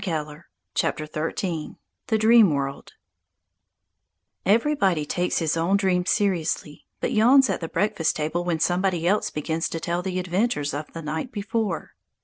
THE DREAM WORLD XIII THE DREAM WORLD EVERYBODY takes his own dreams seriously, but yawns at the breakfast table when somebody else begins to tell the adventures of the night before.